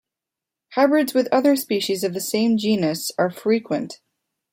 Hybrids with other species of the same genus are frequent.